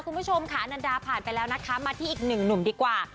คุณผู้ชมค่ะนันดาผ่านไปแล้วนะคะมาที่อีกหนึ่งหนุ่มดีกว่า